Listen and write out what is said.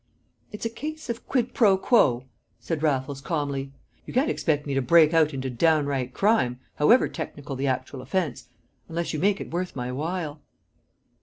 "It's a case of quid pro quo," said Raffles calmly. "You can't expect me to break out into downright crime however technical the actual offence unless you make it worth my while."